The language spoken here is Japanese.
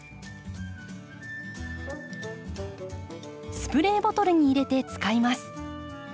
スプレーボトルに入れて使います。